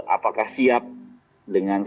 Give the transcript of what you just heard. apakah siap dengan amin